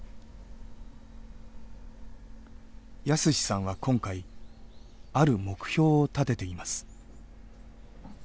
泰史さんは今回ある目標を立てています。